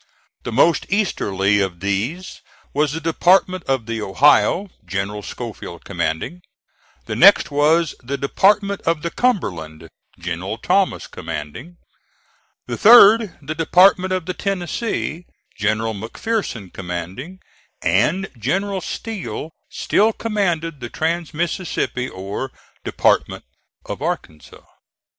The most easterly of these was the Department of the Ohio, General Schofield commanding; the next was the Department of the Cumberland, General Thomas commanding; the third the Department of the Tennessee, General McPherson commanding; and General Steele still commanded the trans Mississippi, or Department of Arkansas.